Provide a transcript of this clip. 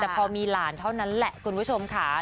แต่พอมีหลานเท่านั้นแหละคุณผู้ชมค่ะ